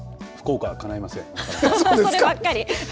そればっかり。